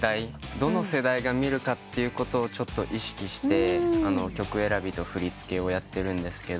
どの世代が見るかってことをちょっと意識して曲選びと振り付けをやってるんですけど。